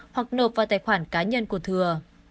hoặc nộp vào tài khoản cá nhân của thừa